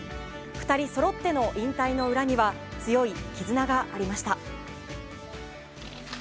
２人そろっての引退の裏には強い絆がありました。